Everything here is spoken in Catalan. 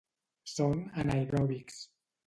Són anaeròbics.